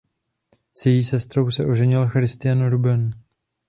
S její sestrou se oženil Christian Ruben.